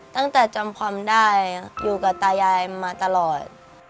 จำความได้อยู่กับตายายมาตลอด